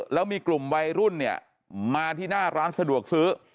แล้วมีกลุ่มวัยรุ่นเนี่ยมาที่หน้าร้านสะดวกซื้อ